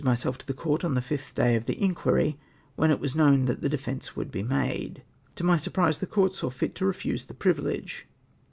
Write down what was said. myself at the Comt on tlie fifth day of the inquuy, when it was known that the defence would be made. To my smprise the Coiut saw fit to refuse the privilege.